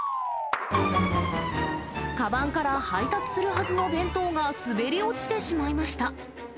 かばんから配達するはずの弁当が滑り落ちてしまいました。